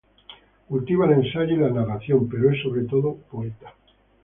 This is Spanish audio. Cultiva el ensayo y la narración, pero es sobre todo poeta.